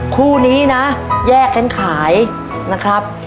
คู่นี้นะแยกกันขายนะครับ